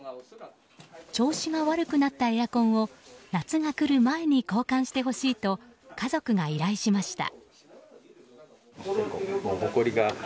調子が悪くなったエアコンを夏が来る前に交換してほしいと家族が依頼しました。